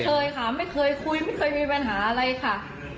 เคยค่ะไม่เคยคุยไม่เคยมีปัญหาอะไรค่ะ